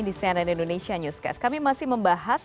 di cnn indonesia newscast kami masih membahas